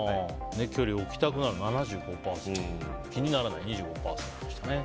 距離を置きたくなるが７５％気にならない、２５％でしたね。